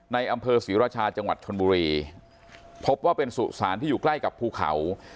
ในอำเภอศรีราชาจังหวัดชนบุรีพบว่าเป็นสุสานที่อยู่ใกล้กับภูเขา